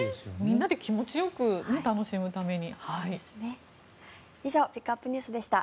みんなで気持ちよく楽しむために。